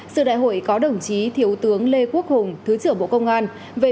sự đại hội có đồng chí thiếu tướng lê quốc hùng thứ trưởng bộ công an